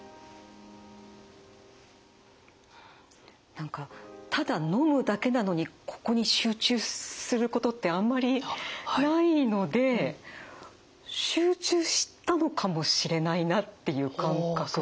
何かただ飲むだけなのにここに集中することってあんまりないので集中したのかもしれないなっていう感覚です。